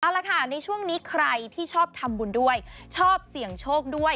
เอาละค่ะในช่วงนี้ใครที่ชอบทำบุญด้วยชอบเสี่ยงโชคด้วย